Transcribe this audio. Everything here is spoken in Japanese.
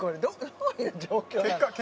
どういう状況なの？